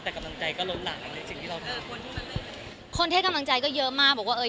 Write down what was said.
แต่กำลังใจก็ล้นหลามในสิ่งที่เราทำคนให้กำลังใจก็เยอะมากบอกว่าเออ